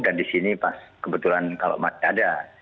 dan di sini pas kebetulan kalau ada